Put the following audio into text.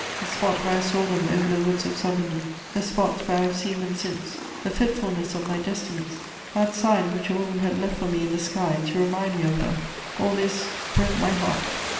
The spot where I saw them over the woods of Savigny, the spots where I have seen them since, the fitfulness of my destinies, that sign which a woman had left for me in the sky to remind me of her: all this broke my heart.